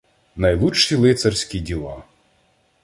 Найлучші лицарські діла